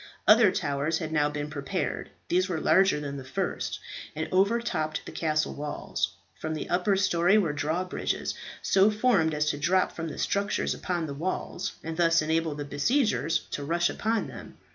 Other towers had now been prepared. These were larger than the first, and overtopped the castle walls. From the upper story were drawbridges, so formed as to drop from the structures upon the walls, and thus enable the besiegers to rush upon them.